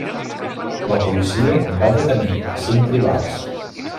La policia va detenir a cinc tribals.